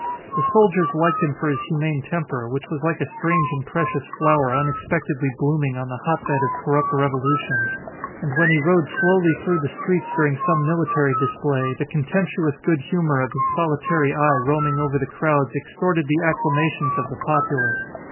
The soldiers liked him for his humane temper, which was like a strange and precious flower unexpectedly blooming on the hotbed of corrupt revolutions; and when he rode slowly through the streets during some military display, the contemptuous good humour of his solitary eye roaming over the crowds extorted the acclamations of the populace.